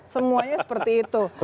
semuanya seperti itu